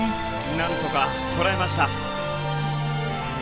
なんとかこらえました。